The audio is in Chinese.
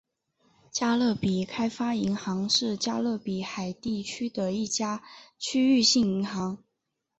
加勒比开发银行是加勒比海地区的一家区域性银行。